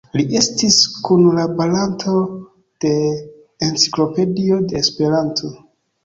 Li estis kunlaboranto de "Enciklopedio de Esperanto".